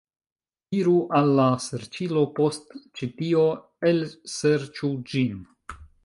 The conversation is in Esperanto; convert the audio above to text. Iru al la serĉilo, post ĉi tio, elserĉu ĝin